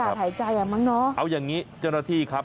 ถ้าอยากหายใจอ่ะมั้งเนอะเอาอย่างนี้จณฐีครับ